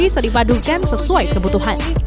seripadukan sesuai kebutuhan